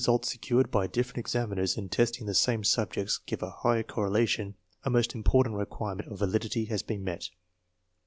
On the other hand, if results secured by dif ferent examiners in testing the same subjects give a high correlation, a most important requirement of validity has been met.